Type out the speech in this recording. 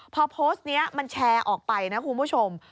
พอโพสต์นี้มันแชร์ออกไปนะคุณผู้ชม